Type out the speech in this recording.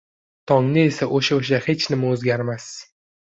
Tongda esa o‘sha-o‘sha hech nima o‘zgarmas.